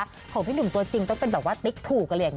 ของพี่หนุ่มตัวจริงต้องเป็นแบบว่าติ๊กถูกอะไรอย่างนี้